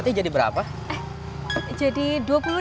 kita mau ngaca doang